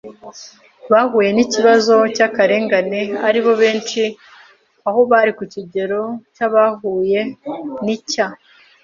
bahuye n ikibazo cy akarengane aribo benshi aho bari ku kigero cya abahuye n icya